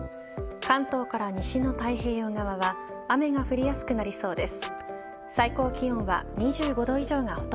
関東から西の太平洋側は雨が降りやすくなりそうです。